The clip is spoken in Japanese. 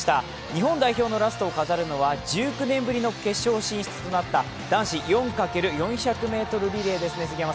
日本代表のラストを飾るのは１９年ぶりの決勝進出となった男子４×４００ｍリレーですね。